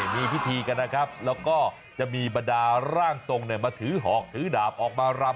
มีพิธีกันนะครับแล้วก็จะมีบรรดาร่างทรงมาถือหอกถือดาบออกมารำ